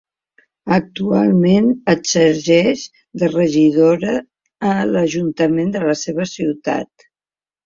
Actualment exerceix de regidora a l'ajuntament de la seva ciutat.